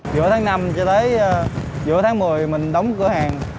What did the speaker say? giữa tháng năm cho tới giữa tháng một mươi mình đóng cửa hàng